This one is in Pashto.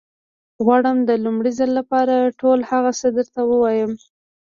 غواړم د لومړي ځل لپاره ټول هغه څه درته ووايم.